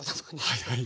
はいはい。